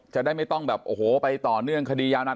จะได้ไม่ต้องแบบโอ้โหไปต่อเนื่องคดียาวนาน